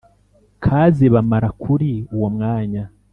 Kazi bamara kuri uwo mwanya